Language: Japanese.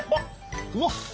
うわっ！